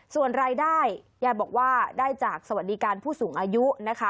ส่วนรายได้ยายบอกว่าได้จากสวัสดิการผู้สูงอายุนะคะ